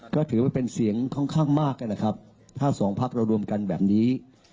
ก็ถือว่าเป็นเสียงค่อนข้างมากนะครับถ้าสองพักเรารวมกันแบบนี้